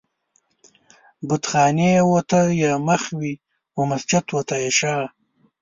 بتخانې و ته يې مخ وي و مسجد و ته يې شا